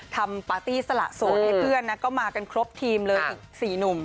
ปาร์ตี้สละโสดให้เพื่อนนะก็มากันครบทีมเลยอีก๔หนุ่ม